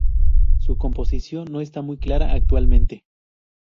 Su composición no está muy clara actualmente.